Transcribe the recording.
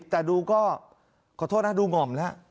แต่ดูก็ขอโทษนะดูหง่อมแล้ว